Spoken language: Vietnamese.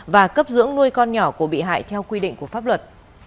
và cấp dưỡng nuôi con nhỏ của bị hại theo quy định của pháp luật